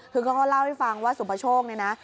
คือเขาก็เล่าให้ฟังว่าสุปโชคเนี่ยนะ